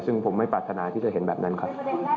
ซึ่งผมไม่ปรารถนาที่จะเห็นแบบนั้นครับ